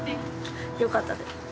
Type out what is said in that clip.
よかったです。